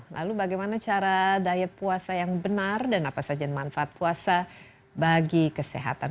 lalu bagaimana cara diet puasa yang benar dan apa saja manfaat puasa bagi kesehatan